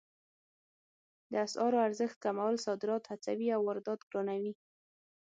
د اسعارو ارزښت کمول صادرات هڅوي او واردات ګرانوي